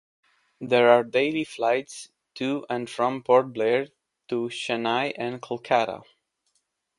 There are daily flights to and from Port Blair to Chennai and Kolkata.